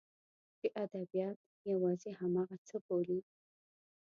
چې ادبیات یوازې همغه څه بولي.